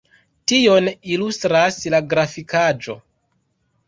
Tion ilustras la grafikaĵo.